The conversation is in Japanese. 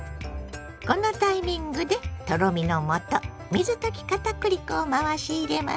このタイミングでとろみのもと水溶き片栗粉を回し入れます。